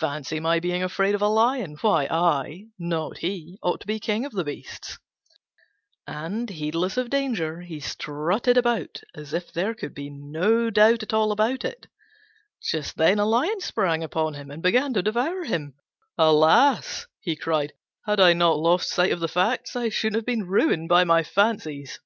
Fancy my being afraid of a lion! Why, I, not he, ought to be King of the beasts"; and, heedless of danger, he strutted about as if there could be no doubt at all about it. Just then a lion sprang upon him and began to devour him. "Alas," he cried, "had I not lost sight of the facts, I shouldn't have been ruined by my fancies."